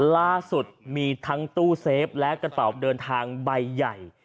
ล่าสุดมีทั้งตู้เซฟและกระเป๋าเดินทางใบใหญ่